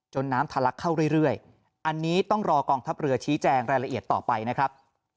น้ำทะลักเข้าเรื่อยอันนี้ต้องรอกองทัพเรือชี้แจงรายละเอียดต่อไปนะครับ